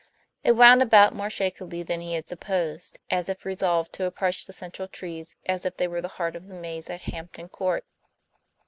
It wound about more shakily than he had supposed, as if resolved to approach the central trees as if they were the heart of the maze at Hampton Court.